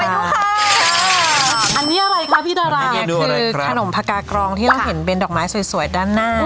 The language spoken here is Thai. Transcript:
ดูค่ะอันนี้อะไรคะพี่ดาราคือขนมภากากรองที่เราเห็นเป็นดอกไม้สวยด้านหน้า